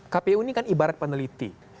kpu ini kan ibarat peneliti